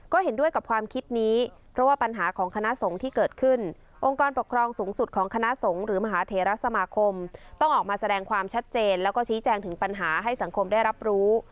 ก็เห็นด้วยกับความคิดนี้เพราะว่าปัญหาของคณะสงฆ์ที่เกิดขึ้นองค์กรปกครองสูงสุดของคณะสงฆ์หรือมหาเทรสมาคมต้องออกมาแสดงความชัดเจนแล้วก็ชี้แจงถึงปัญหาให้สังคมได้รับรู้